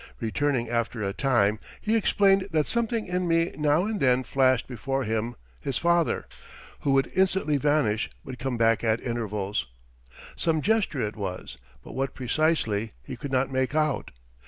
Returning after a time he explained that something in me now and then flashed before him his father, who would instantly vanish but come back at intervals. Some gesture it was, but what precisely he could not make out.